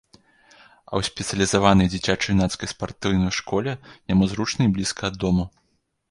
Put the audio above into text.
А ў спецыялізаванай дзіцяча-юнацкай спартыўнай школе яму зручна і блізка ад дому.